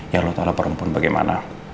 ya lo tau lah perempuan bagaimana